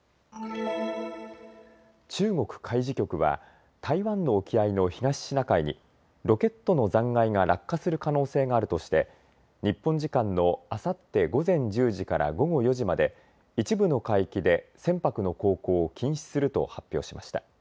中国海事局は台湾の沖合の東シナ海にロケットの残骸が落下する可能性があるとして日本時間のあさって午前１０時から午後４時まで一部の海域で船舶の航行を禁止すると発表しました。